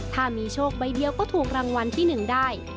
ถ้ามีโชคใบเดียวก็ถูกรางวัลที่๑ได้